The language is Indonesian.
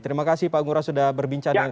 terima kasih pak ngurah sudah berbincang dengan